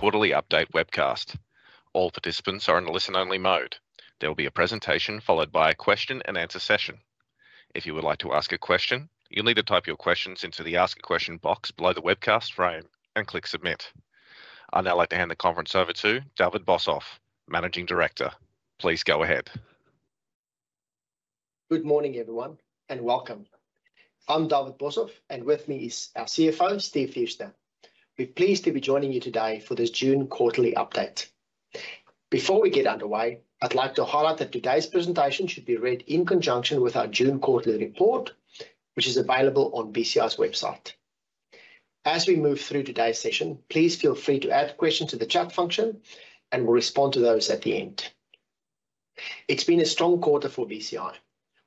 Quarterly update webcast. All participants are in listen-only mode. There will be a presentation followed by a question and answer session. If you would like to ask a question, you'll need to type your questions into the Ask Question box below the webcast frame and click Submit. I'd now like to hand the conference over to David Boshoff, Managing Director. Please go ahead. Good morning, everyone, and welcome. I'm David Boshoff, and with me is our CFO, Steve Fewster. We're pleased to be joining you today for this June Quarterly Update. Before we get underway, I'd like to highlight that today's presentation should be read in conjunction with our June Quarterly Report, which is available on BCI's website. As we move through today's session, please feel free to add questions to the chat function, and we'll respond to those at the end. It's been a strong quarter for BCI.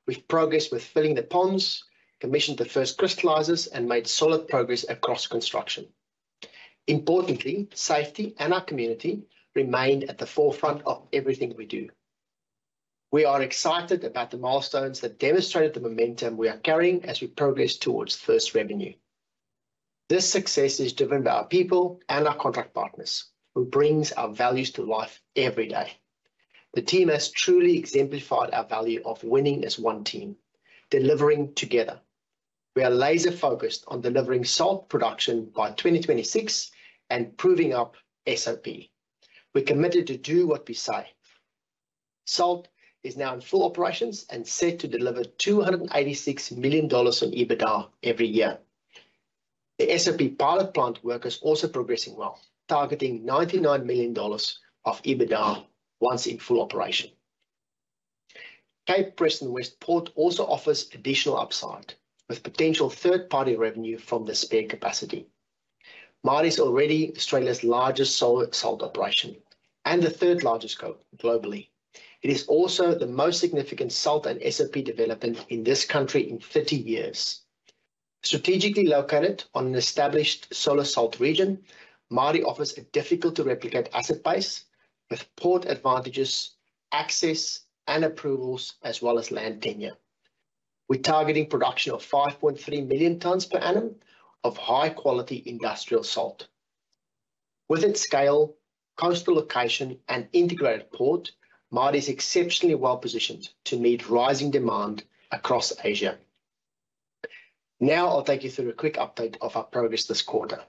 We've progressed with filling the ponds, commissioned the first crystallizers, and made solid progress across construction. Importantly, safety and our community remain at the forefront of everything we do. We are excited about the milestones that demonstrated the momentum we are carrying as we progress towards first revenue. This success is driven by our people and our contract partners, who bring our values to life every day. The team has truly exemplified our value of winning as one team, delivering together. We are laser-focused on delivering salt production by 2026 and proving up SOP. We're committed to do what we say. Salt is now in full operations and set to deliver 286 million dollars in EBITDA every year. The SOP pilot plant work is also progressing well, targeting 99 million dollars of EBITDA once in full operation. Cape Preston Westport also offers additional upside with potential third-party revenue from the spare capacity. Mardie is already Australia's largest solid salt operation and the third largest globally. It is also the most significant salt and SOP development in this country in 30 years. Strategically located on an established solar salt region, Mardie offers a difficult-to-replicate asset base with port advantages, access, and approvals, as well as land tenure. We're targeting production of 5.3 million tonnes per annum of high-quality industrial salt. Within scale, coastal location, and integrated port, Mardie is exceptionally well positioned to meet rising demand across Asia. Now, I'll take you through a quick update of our progress this quarter.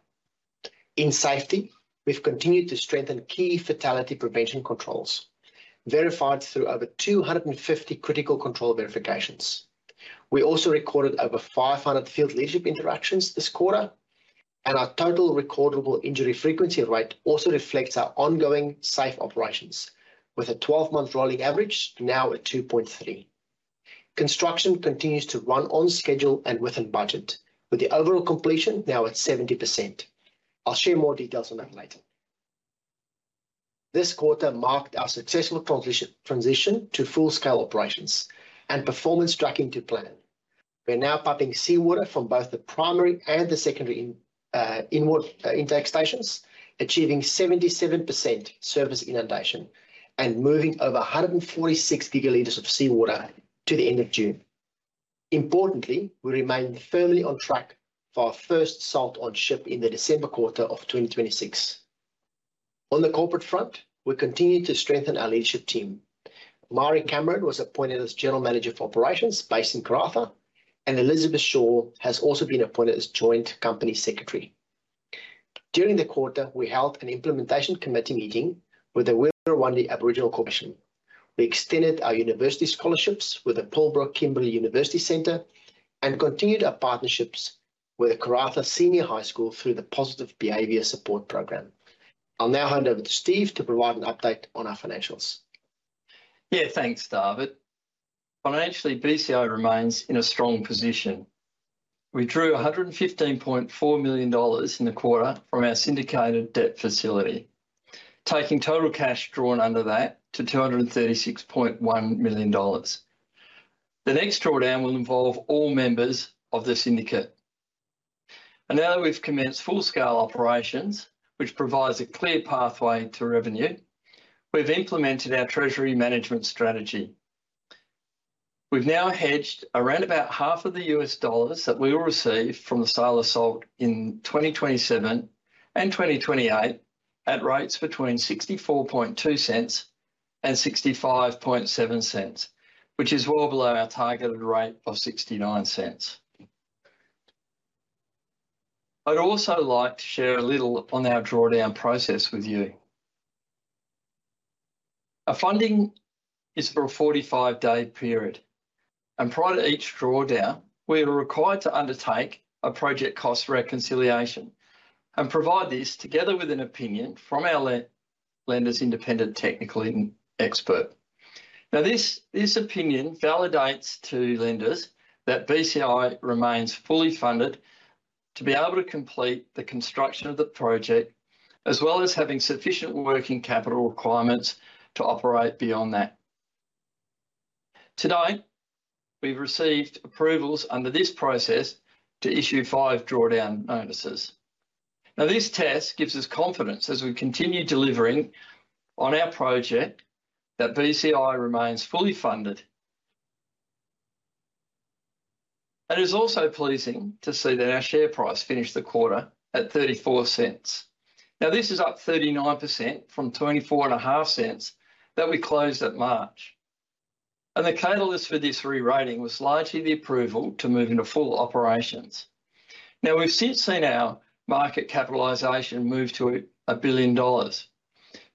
In safety, we've continued to strengthen key fatality prevention controls verified through over 250 critical control verifications. We also recorded over 500 field leadership interactions this quarter, and our total recordable injury frequency rate also reflects our ongoing safe operations, with a 12-month rolling average now at 2.3. Construction continues to run on schedule and within budget, with the overall completion now at 70%. I'll share more details on that later. This quarter marked our successful transition to full-scale operations and performance tracking to plan. We're now pumping seawater from both the primary and the secondary intake stations, achieving 77% surface inundation and moving over 146GL of seawater to the end of June. Importantly, we remain firmly on track for our first salt on ship in the December quarter of 2026. On the corporate front, we're continuing to strengthen our leadership team. Mhairi Cameron was appointed as General Manager for Operations based in Karratha, and Elizabeth Shaw has also been appointed as Joint Company Secretary. During the quarter, we held an implementation committee meeting with the Wirrawandi Aboriginal Corporation. We extended our university scholarships with the Paul Brooke Kimberley University Centre and continued our partnerships with Karratha Senior High School through the Positive Behaviour Support Program. I'll now hand over to Steve to provide an update on our financials. Yeah, thanks, David. Financially, BCI remains in a strong position. We drew 115.4 million dollars in the quarter from our syndicated debt facility, taking total cash drawn under that to 236.1 million dollars. The next drawdown will involve all members of the syndicate. Now that we've commenced full-scale operations, which provides a clear pathway to revenue, we've implemented our Treasury Management Strategy. We've now hedged around about half of the U.S. dollars that we will receive from the sale of salt in 2027 and 2028 at rates between 0.642 and 0.657, which is well below our targeted rate of 0.69. I'd also like to share a little on our drawdown process with you. Our funding is for a 45-day period, and prior to each drawdown, we are required to undertake a project cost reconciliation and provide this together with an opinion from our lenders' independent technical expert. This opinion validates to lenders that BCI remains fully funded to be able to complete the construction of the project, as well as having sufficient working capital requirements to operate beyond that. Today, we've received approvals under this process to issue five drawdown notices. This test gives us confidence as we continue delivering on our project that BCI remains fully funded. It's also pleasing to see that our share price finished the quarter at 0.34. This is up 39% from 0.245 that we closed at March. The catalyst for this re-rating was largely the approval to move into full operations. We've since seen our market capitalization move to 1 billion dollars,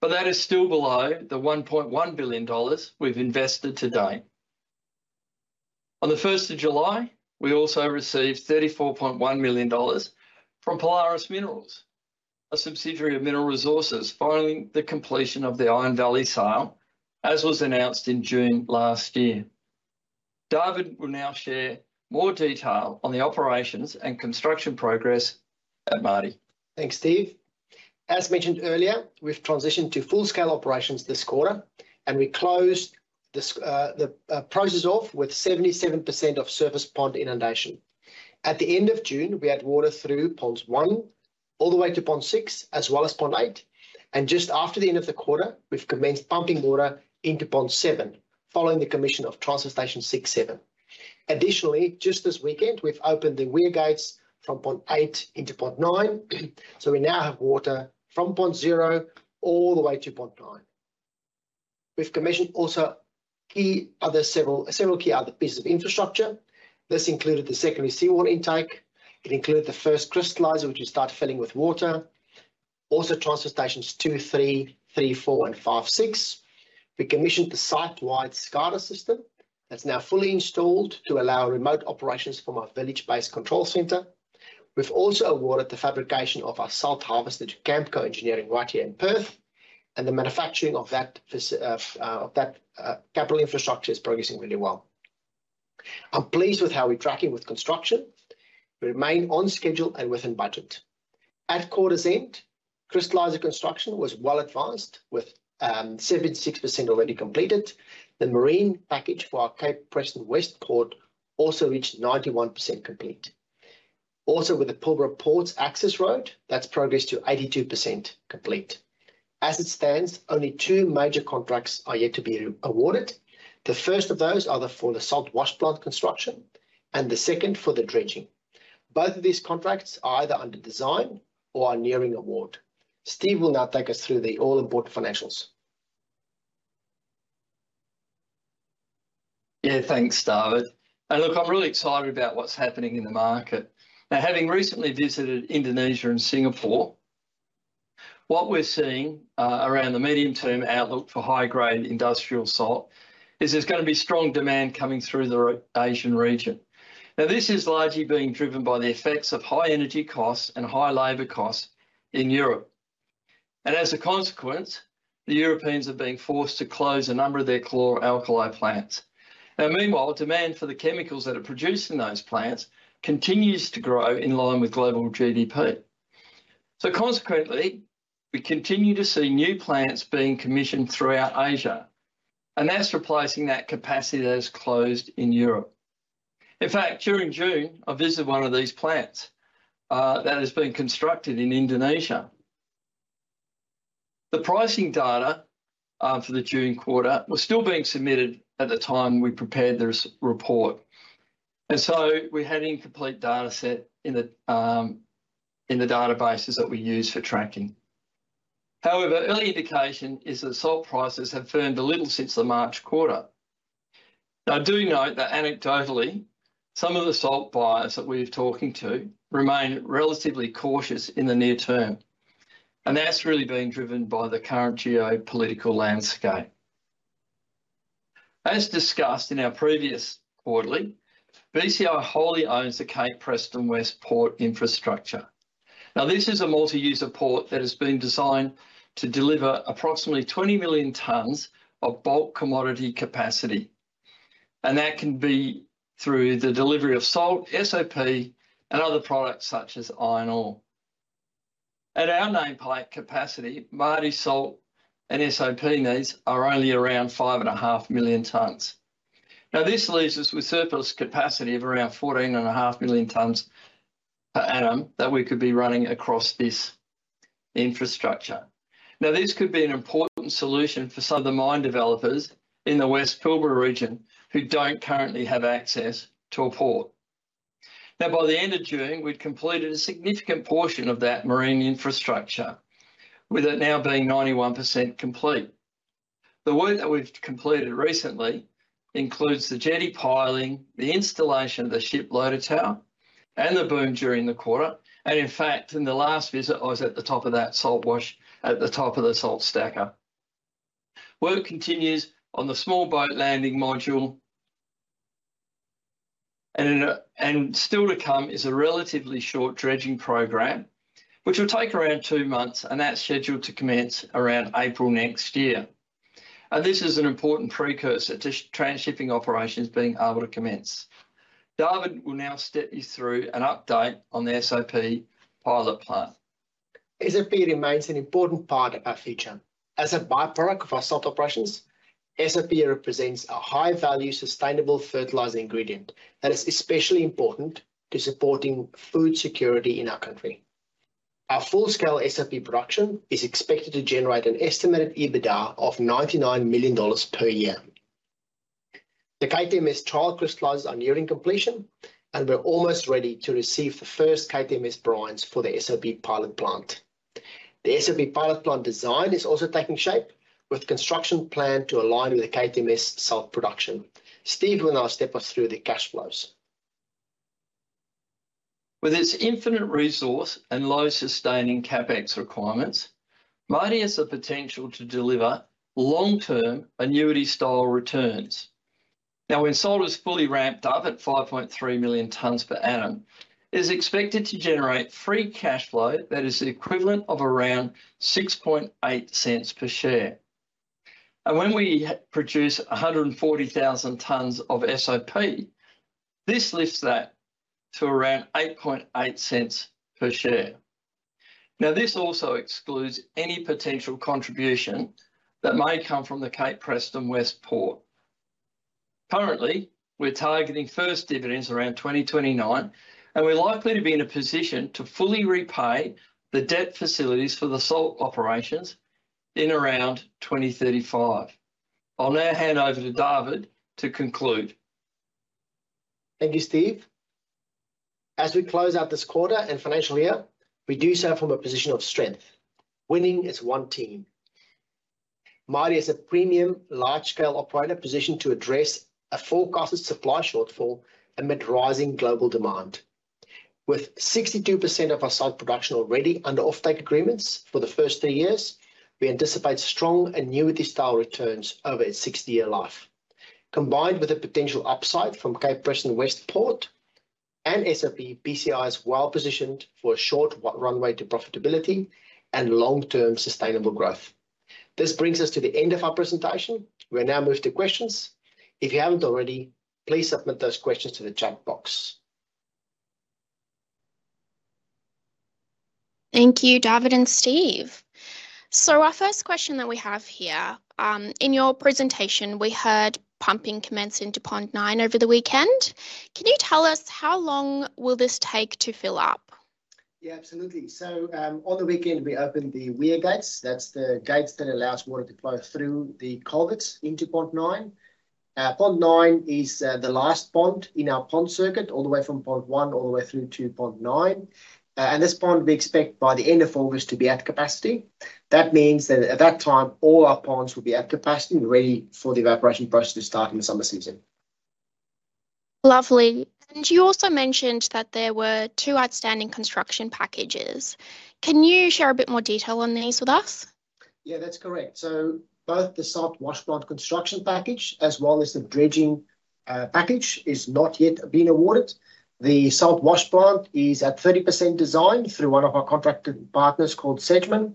but that is still below the 1.1 billion dollars we've invested to date. On the 1st of July, we also received 34.1 million dollars from Polaris Minerals, a subsidiary of Mineral Resources, following the completion of the Iron Valley sale, as was announced in June last year. David will now share more detail on the operations and construction progress at Mardie. Thanks, Steve. As mentioned earlier, we've transitioned to full-scale operations this quarter, and we closed the process off with 77% of surface pond inundation. At the end of June, we had water through ponds one all the way to pond six, as well as pond eight. Just after the end of the quarter, we've commenced pumping water into pond seven following the commission of Transfer Station six-seven. Additionally, just this weekend, we've opened the weir gates from pond eight into pond nine, so we now have water from pond zero all the way to pond nine. We've also commissioned several key other pieces of infrastructure. This included the secondary seawater intake. It included the first crystallizer, which we started filling with water. Also, Transfer Stations two, three, three, four, and five, six. We commissioned the site-wide SCADA system that's now fully installed to allow remote operations from our village-based control centre. We've also awarded the fabrication of our salt harvester to Camco Engineering right here in Perth, and the manufacturing of that capital infrastructure is progressing really well. I'm pleased with how we're tracking with construction. We remain on schedule and within budget. At quarter's end, crystallizer construction was well advanced, with 76% already completed. The marine package for our Cape Preston Westport also reached 91% complete. Also, with the Pilbara Ports access road, that's progressed to 82% complete. As it stands, only two major contracts are yet to be awarded. The first of those is for the salt wash plant construction and the second for the dredging. Both of these contracts are either under design or are nearing award. Steve will now take us through the all-important financials. Yeah, thanks, David. Look, I'm really excited about what's happening in the market. Now, having recently visited Indonesia and Singapore, what we're seeing around the medium-term outlook for high-grade industrial salt is there's going to be strong demand coming through the Asian region. This is largely being driven by the effects of high energy costs and high labor costs in Europe. As a consequence, the Europeans have been forced to close a number of their chlor-alkali plants. Meanwhile, demand for the chemicals that are produced in those plants continues to grow in line with global GDP. Consequently, we continue to see new plants being commissioned throughout Asia, and that's replacing that capacity that is closed in Europe. In fact, during June, I visited one of these plants that has been constructed in Indonesia. The pricing data for the June quarter was still being submitted at the time we prepared this report, so we had incomplete datasets in the databases that we use for tracking. However, early indication is that salt prices have firmed a little since the March quarter. I do note that anecdotally, some of the salt buyers that we're talking to remain relatively cautious in the near term. That's really being driven by the current geopolitical landscape. As discussed in our previous quarterly, BCI wholly owns the Cape Preston Westport infrastructure. This is a multi-user port that has been designed to deliver approximately 20 million tons of bulk commodity capacity. That can be through the delivery of salt, SOP, and other products such as iron ore. At our nameplate capacity, Mardie Salt and SOP needs are only around 5.5 million tons. This leaves us with surplus capacity of around 14.5 million tons per annum that we could be running across this infrastructure. This could be an important solution for some of the mine developers in the West Toowoomba region who don't currently have access to a port. By the end of June, we'd completed a significant portion of that marine infrastructure, with it now being 91% complete. The work that we've completed recently includes the jetty piling, the installation of the ship loader tower, and the boom during the quarter. In fact, in the last visit, I was at the top of that salt wash at the top of the salt stacker. Work continues on the small boat landing module. Still to come is a relatively short dredging program, which will take around two months, and that's scheduled to commence around April next year. This is an important precursor to transshipment services operations being able to commence. David will now step you through an update on the SOP pilot plan. SOP remains an important part of our future. As a byproduct of our salt operations, SOP represents a high-value sustainable fertilizer ingredient that is especially important to supporting food security in our country. Our full-scale SOP production is expected to generate an estimated EBITDA of 99 million dollars per year. The KTMS trial crystallizers are nearing completion, and we're almost ready to receive the first KTMS brines for the SOP pilot plant. The SOP pilot plant design is also taking shape, with construction planned to align with the KTMS salt production. Steve will now step us through the cash flows. With its infinite resource and low sustaining CapEx requirements, Mardie has the potential to deliver long-term annuity-style returns. Now, when salt is fully ramped up at 5.3 million tons per annum, it is expected to generate free cash flow that is the equivalent of around 0.068 per share. When we produce 140,000 tons of SOP, this lifts that to around 0.088 per share. This also excludes any potential contribution that may come from the Cape Preston Westport. Currently, we're targeting first dividends around 2029, and we're likely to be in a position to fully repay the debt facilities for the salt operations in around 2035. I'll now hand over to David to conclude. Thank you, Steve. As we close out this quarter and financial year, we do so from a position of strength, winning as one team. Mardie is a premium large-scale operator positioned to address a forecasted supply shortfall amid rising global demand. With 62% of our salt production already under offtake agreements for the first three years, we anticipate strong annuity-style returns over its 60-year life. Combined with the potential upside from Cape Preston Westport and SOP, BCI is well positioned for a short runway to profitability and long-term sustainable growth. This brings us to the end of our presentation. We'll now move to questions. If you haven't already, please submit those questions to the chat box. Thank you, David and Steve. Our first question that we have here, in your presentation, we heard pumping commence into pond nine over the weekend. Can you tell us how long will this take to fill up? Yeah, absolutely. On the weekend, we opened the weir gates. That's the gate that allows water to flow through the culverts into pond nine. Pond nine is the last pond in our pond circuit, all the way from pond one through to pond nine. This pond, we expect by the end of August to be at capacity. That means that at that time, all our ponds will be at capacity and ready for the evaporation process to start in the summer season. Lovely. You also mentioned that there were two outstanding construction packages. Can you share a bit more detail on these with us? Yeah, that's correct. Both the salt wash plant construction package as well as the dredging package have not yet been awarded. The salt wash plant is at 30% design through one of our contracted partners called Sedgman.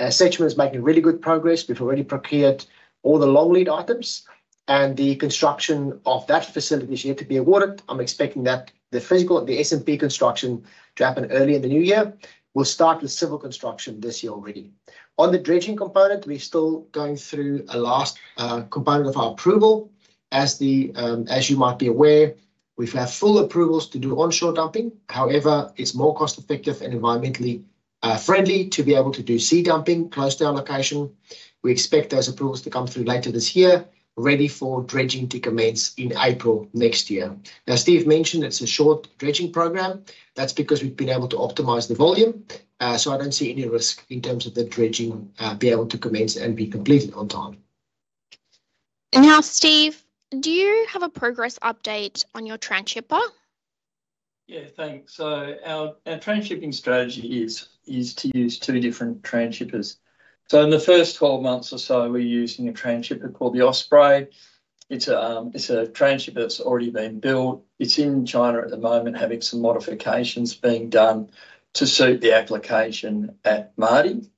Sedgman is making really good progress. We've already prepared all the long lead items, and the construction of that facility is yet to be awarded. I'm expecting that the physical and the SMP construction to happen early in the new year. We'll start with civil construction this year already. On the dredging component, we're still going through a last component of our approval. As you might be aware, we've had full approvals to do onshore dumping. However, it's more cost-effective and environmentally friendly to be able to do sea dumping close to our location. We expect those approvals to come through later this year, ready for dredging to commence in April next year. Steve mentioned it's a short dredging program. That's because we've been able to optimize the volume. I don't see any risk in terms of the dredging being able to commence and be completed on time. Steve, do you have a progress update on your transshipper? Yeah, thanks. Our transshipping strategy is to use two different transshippers. In the first 12 months or so, we're using a transshipper called the Osprey. It's a transshipper that's already been built. It's in China at the moment, having some modifications being done to suit the application at Mardie.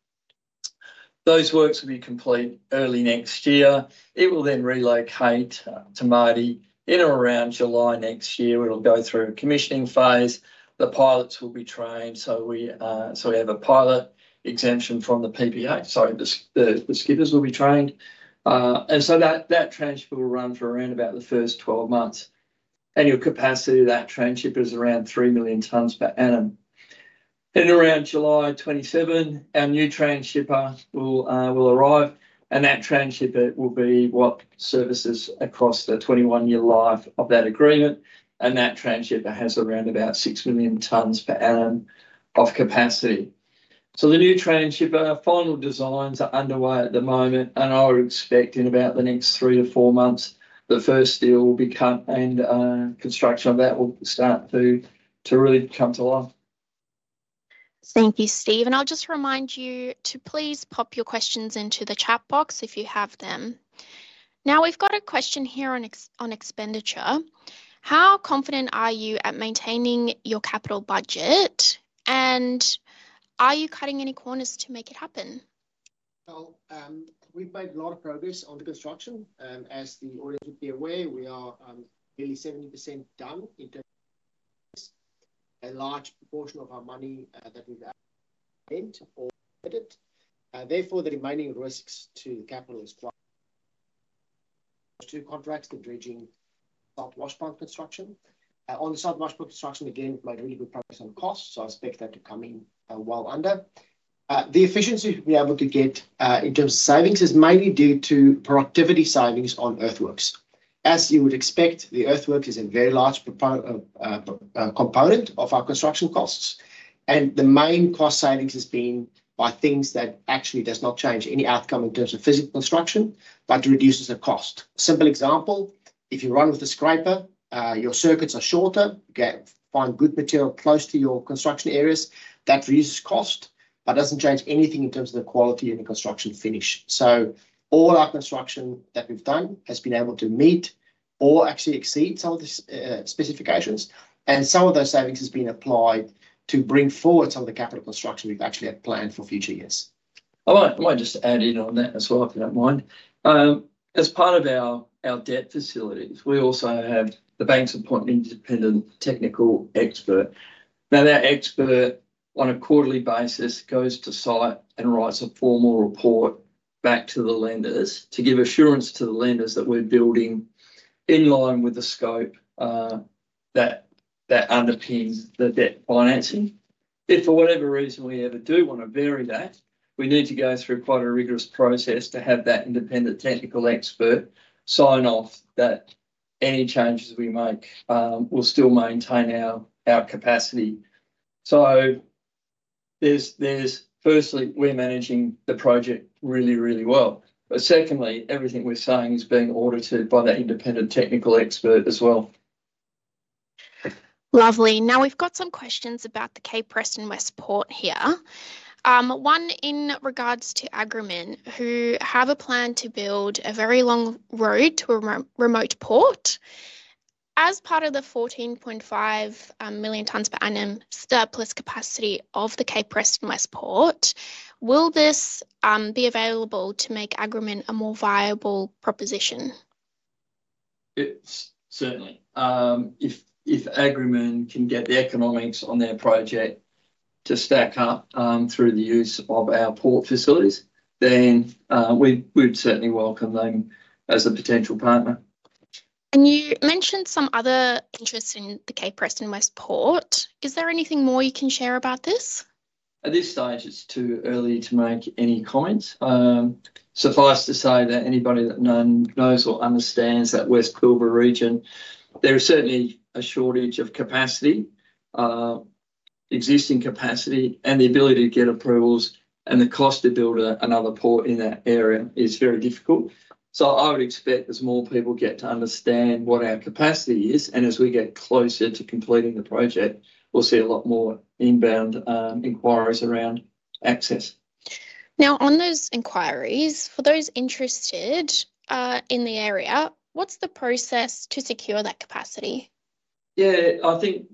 Those works will be complete early next year. It will then relocate to Mardie in or around July next year. It'll go through a commissioning phase. The pilots will be trained. We have a pilot exemption from the PPA, so the skippers will be trained. That transshipper will run for around the first 12 months. Annual capacity of that transshipper is around 3 million tons per annum. Around July 2027, our new transshipper will arrive, and that transshipper will be what services across the 21-year life of that agreement. That transshipper has around 6 million tons per annum of capacity. The new transshipper, our final designs are underway at the moment, and I would expect in about the next three to four months, the first steel will be cut and construction of that will start to really come to life. Thank you, Steve. I'll just remind you to please pop your questions into the chat box if you have them. Now, we've got a question here on expenditure. How confident are you at maintaining your capital budget, and are you cutting any corners to make it happen? We've made a lot of progress on the construction. As the audit took me away, we are nearly 70% done in terms of a large portion of our money that we've spent on credit. Therefore, the remaining risks to the capital are struck. Two contracts, the dredging salt wash plant construction. On the salt wash plant construction, again, we've made really good progress on costs, so I expect that to come in well under. The efficiency we'll be able to get in terms of savings is mainly due to productivity savings on earthworks. As you would expect, the earthwork is a very large component of our construction costs. The main cost savings has been by things that actually do not change any outcome in terms of physical construction, but reduces the cost. A simple example, if you run with the scraper, your circuits are shorter. You get to find good material close to your construction areas. That reduces cost, but doesn't change anything in terms of the quality of the construction finish. All our construction that we've done has been able to meet or actually exceed some of the specifications, and some of those savings have been applied to bring forward some of the capital construction we've actually had planned for future years. I might just add in on that as well if you don't mind. As part of our debt facilities, we also have the Banks of Point Independent Technical Expert. That expert on a quarterly basis goes to site and writes a formal report back to the lenders to give assurance to the lenders that we're building in line with the scope that underpins the debt financing. If for whatever reason we ever do want to vary that, we need to go through quite a rigorous process to have that independent technical expert sign off that any changes we make will still maintain our capacity. Firstly, we're managing the project really, really well. Secondly, everything we're saying is being audited by the independent technical expert as well. Lovely. Now, we've got some questions about the Cape Preston Westport here. One in regards to Agrimin, who have a plan to build a very long road to a remote port. As part of the 14.5 million tons per annum surplus capacity of the Cape Preston Westport, will this be available to make Agrimin a more viable proposition? Certainly. If Agrimin can get the economics on their project to stack up through the use of our port facilities, then we'd certainly welcome them as a potential partner. You mentioned some other interest in the Cape Preston Westport. Is there anything more you can share about this? At this stage, it's too early to make any comments. Suffice to say that anybody that knows or understands that Cape Preston Westport region, there is certainly a shortage of capacity, existing capacity, and the ability to get approvals, and the cost to build another port in that area is very difficult. I would expect as more people get to understand what our capacity is, and as we get closer to completing the project, we'll see a lot more inbound inquiries around access. Now, on those inquiries, for those interested in the area, what's the process to secure that capacity? I think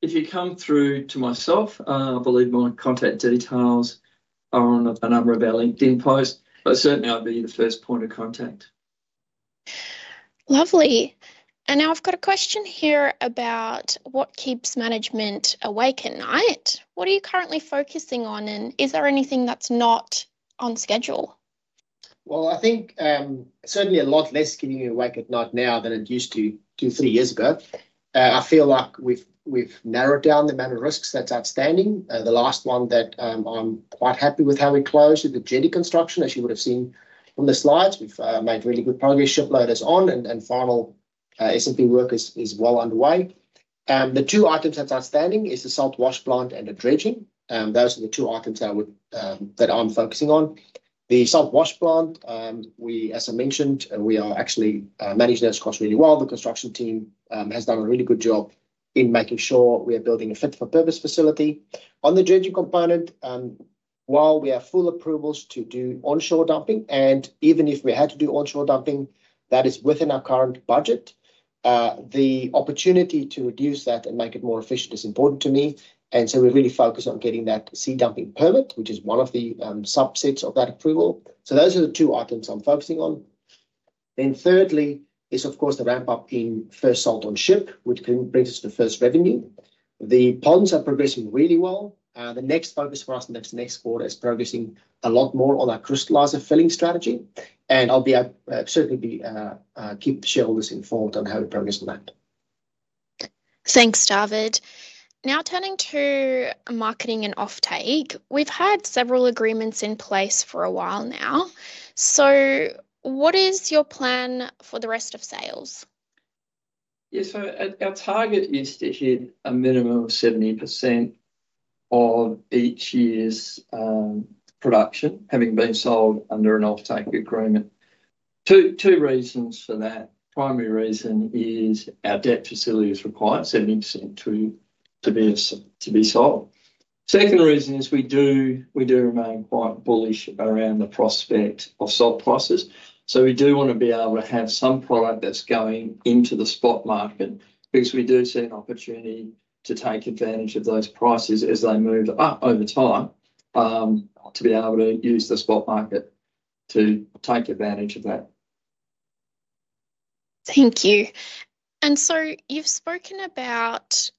if you come through to myself, I believe my contact details are on a number of our LinkedIn posts, but certainly, I'll be the first point of contact. Lovely. I have a question here about what keeps management awake at night. What are you currently focusing on, and is there anything that's not on schedule? I think certainly a lot less keeping you awake at night now than it used to be two, three years ago. I feel like we've narrowed down the amount of risks that's outstanding. The last one that I'm quite happy with having closed is the jetty construction, as you would have seen from the slides. We've made really good progress, ship loader's on, and final SMP work is well underway. The two items that are outstanding are the salt wash plant and the dredging. Those are the two items that I'm focusing on. The salt wash plant, as I mentioned, we are actually managing those costs really well. The construction team has done a really good job in making sure we are building a fit-for-purpose facility. On the dredging component, while we have full approvals to do onshore dumping, and even if we had to do onshore dumping, that is within our current budget, the opportunity to reduce that and make it more efficient is important to me. We really focus on getting that sea dumping permit, which is one of the subsets of that approval. Those are the two items I'm focusing on. Thirdly is, of course, the ramp-up in first salt on ship, which brings us to first revenue. The ponds are progressing really well. The next focus for us in the next quarter is progressing a lot more on our crystallizer filling strategy. I'll be certainly keeping shareholders informed on how to progress on that. Thanks, David. Now turning to marketing and offtake, we've had several agreements in place for a while now. What is your plan for the rest of sales? Yeah, our target is to hit a minimum of 70% of each year's production, having been sold under an offtake agreement. Two reasons for that. The primary reason is our debt facility is required 70% to be sold. The second reason is we do remain quite bullish around the prospect of salt prices. We do want to be able to have some product that's going into the spot market because we do see an opportunity to take advantage of those prices as they move up over time, to be able to use the spot market to take advantage of that. Thank you. You've spoken about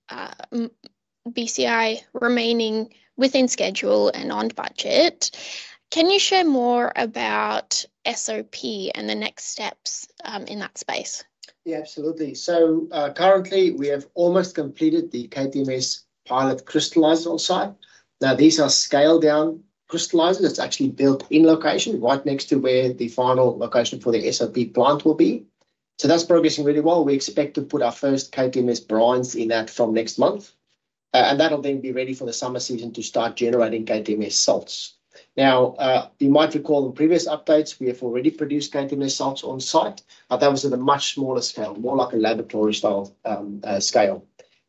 BCI remaining within schedule and on budget. Can you share more about SOP and the next steps in that space? Yeah, absolutely. Currently, we have almost completed the KTMS pilot crystallizer on site. These are scaled-down crystallizers. It's actually built in location right next to where the final location for the SOP plant will be. That's progressing really well. We expect to put our first KTMS brines in that from next month. That'll then be ready for the summer season to start generating KTMS salts. You might recall in previous updates, we have already produced KTMS salts on site, but that was at a much smaller scale, more like a laboratory-style scale.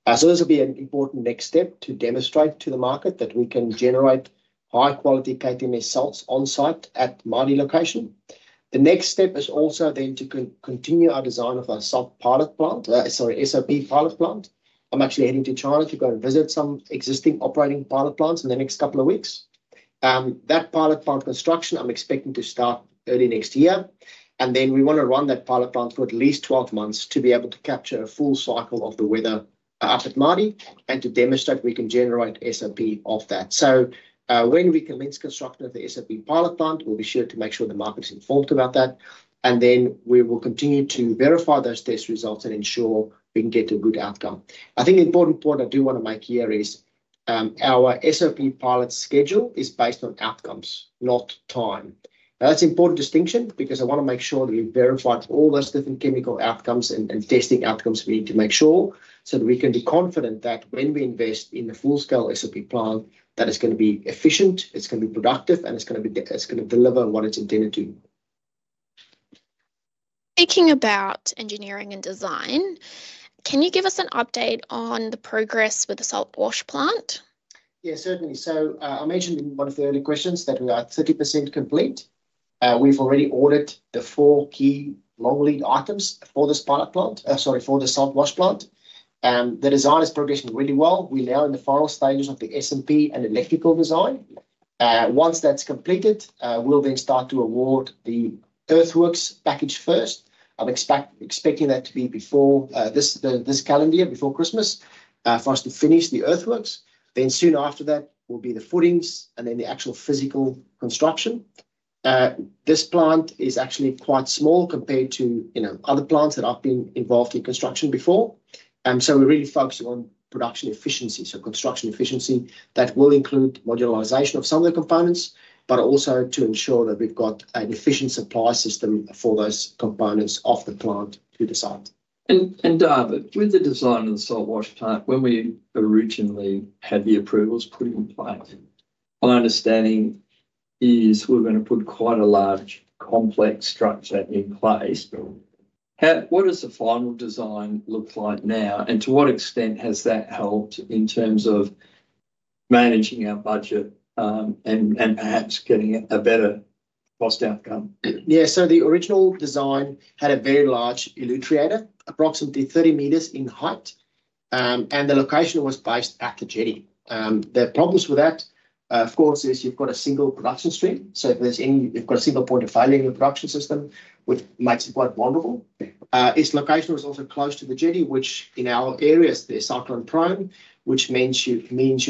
This will be an important next step to demonstrate to the market that we can generate high-quality KTMS salts on site at Mardie location. The next step is also to continue our design of our salt product plant, sorry, SOP pilot plant. I'm actually heading to [Charleville] to go and visit some existing operating pilot plants in the next couple of weeks. That pilot plant construction, I'm expecting to start early next year. We want to run that pilot plant for at least 12 months to be able to capture a full cycle of the weather out at Mardie and to demonstrate we can generate SOP off that. When we commence construction of the SOP pilot plant, we'll be sure to make sure the market's informed about that. We will continue to verify those test results and ensure we can get a good outcome. I think an important point I do want to make here is our SOP pilot schedule is based on outcomes, not time. That's an important distinction because I want to make sure that we verify all those different chemical outcomes and testing outcomes we need to make sure so that we can be confident that when we invest in the full-scale SOP plant, that it's going to be efficient, it's going to be productive, and it's going to deliver what it's intended to. Thinking about engineering and design, can you give us an update on the progress with the salt wash plant? Yeah, certainly. I mentioned in one of the early questions that we're at 30% complete. We've already audited the four key long lead items for this pilot plant, sorry, for the salt wash plant. The design is progressing really well. We're now in the final stages of the SMP and electrical design. Once that's completed, we'll start to award the earthworks package first. I'm expecting that to be before this calendar year, before Christmas, for us to finish the earthworks. Soon after that will be the footings and then the actual physical construction. This plant is actually quite small compared to other plants that I've been involved in construction before. We're really focusing on production efficiency, construction efficiency that will include modularisation of some of the components, but also to ensure that we've got an efficient supply system for those components of the plant to the site. David, with the design of the salt wash plant, when we originally had the approvals put in place, my understanding is we're going to put quite a large complex structure in place. What does the final design look like now, and to what extent has that helped in terms of managing our budget and perhaps getting a better cost outcome? Yeah, so the original design had a very large elutriator, approximately 30 meters in height, and the location was based at the jetty. The problems with that, of course, is you've got a single production stream. If there's any, you've got a single point of failure in your production system, which makes it quite vulnerable. Its location was also close to the jetty, which in our areas, they cycle on prime, which means you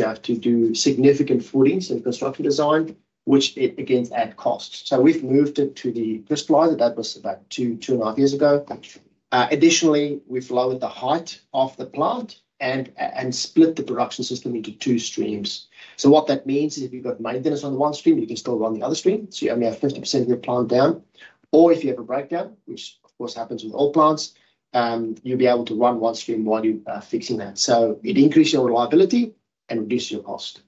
have to do significant footings and construction design, which again adds cost. We've moved it to the crystallizer. That was about two, two and a half years ago. Additionally, we've lowered the height of the plant and split the production system into two streams. What that means is if you've got maintenance on the one stream, you can still run the other stream. You only have 50% of your plant down. If you have a breakdown, which of course happens with all plants, you'll be able to run one stream while you're fixing that. It increases your reliability and reduces your cost.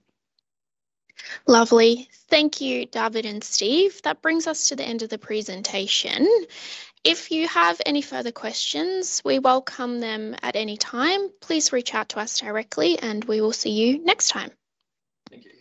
Lovely. Thank you, David and Steve. That brings us to the end of the presentation. If you have any further questions, we welcome them at any time. Please reach out to us directly, and we will see you next time.